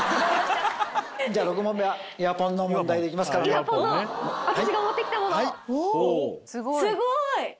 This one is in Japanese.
すごい！